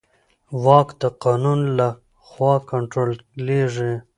واک د قانون له خوا کنټرولېږي.